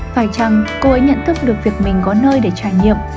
phải chăng cô ấy nhận thức được việc mình có nơi để trải nghiệm